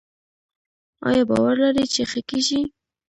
ایا باور لرئ چې ښه کیږئ؟